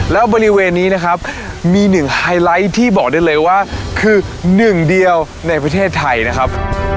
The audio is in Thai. แล้วบริเวณนี้นะครับมีหนึ่งไฮไลท์ที่บอกได้เลยว่าคือหนึ่งเดียวในประเทศไทยนะครับ